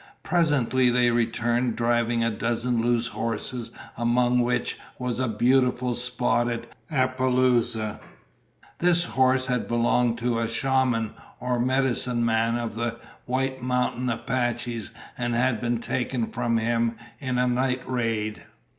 Presently they returned driving a dozen loose horses among which was a beautiful spotted apaloosa. This horse had belonged to a shaman, or medicine man, of the White Mountain Apaches and had been taken from him in a night raid.